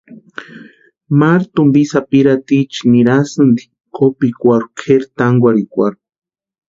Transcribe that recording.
Maru tumpi sapirhatiecha nirasïnti kópikwarhu kʼeri tankwarhikwarhu.